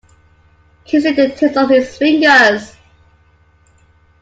Kissing the tips of his fingers.